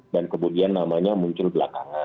dan kemudian namanya muncul belakangan